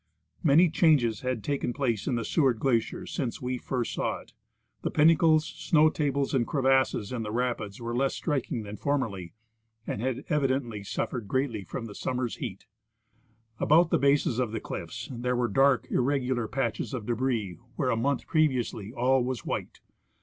Many changes had taken place in the Seward glacier since we first saw it ; the pinnacles, snow tables, and crevasses in the rapids were less striking than formerly, and had evidently suffered greatly from the summer's heat. About the bases of the cliffs there were dark, irregular patches of debris, where a month previously all was white.